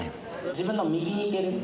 自分の右に行ける？